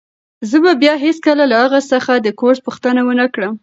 زه به بیا هیڅکله له اغا څخه د کورس پوښتنه ونه کړم.